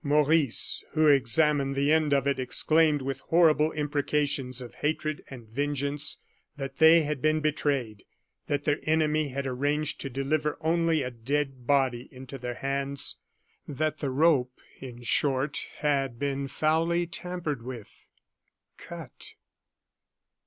Maurice, who examined the end of it, exclaimed with horrible imprecations of hatred and vengeance that they had been betrayed that their enemy had arranged to deliver only a dead body into their hands that the rope, in short, had been foully tampered with cut!